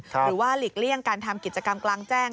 หลีกเลี่ยงการทำกิจกรรมกลางแจ้ง